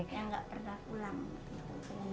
yang nggak pernah pulang